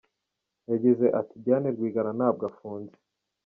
Yagize ati “Diane Rwigara ntabwo afunzwe.